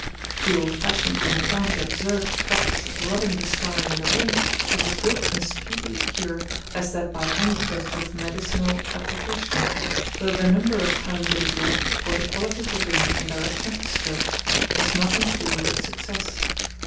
The old fashioned and apparently absurd practice of rubbing the stye with a ring, is as good and speedy a cure as that by any process of medicinal application; though the number of times it is rubbed, or the quality of the ring and direction of the strokes, has nothing to do with its success.